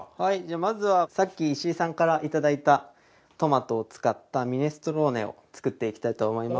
まずはさっき石井さんからいただいたトマトを使ったミネストローネを作っていきたいと思います。